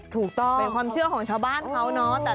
ถูกต้องเป็นความเชื่อของชาวบ้านเขาเนาะ